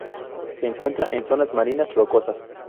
Se encuentra en zonas marinas rocosas.